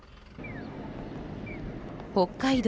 北海道